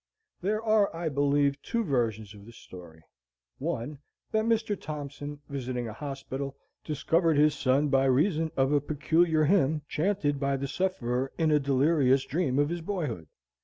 There are, I believe, two versions of the story. One, that Mr. Thompson, visiting a hospital, discovered his son by reason of a peculiar hymn, chanted by the sufferer, in a delirious dream of his boyhood.